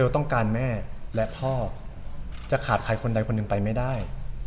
ต้องการแม่และพ่อจะขาดใครคนใดคนหนึ่งไปไม่ได้